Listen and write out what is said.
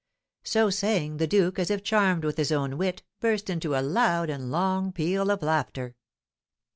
So saying, the duke, as if charmed with his own wit, burst into a loud and long peal of laughter.